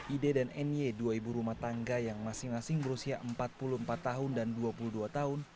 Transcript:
ide dan ny dua ibu rumah tangga yang masing masing berusia empat puluh empat tahun dan dua puluh dua tahun